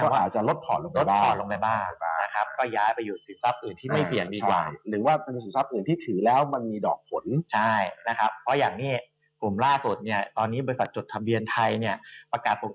ไม่ได้ส่วนตังค์ไม่ได้ส่วนตังค์ไม่ได้ส่วนตังค์ไม่ได้ส่วนตังค์ไม่ได้ส่วนตังค์ไม่ได้ส่วนตังค์ไม่ได้ส่วนตังค์